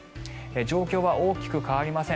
状況は大きく変わりません。